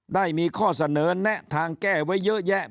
ได้มีข้อเสนอแนะทางแก้ไว้เยอะแยะ